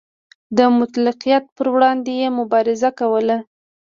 د مطلقیت پر وړاندې یې مبارزه کوله.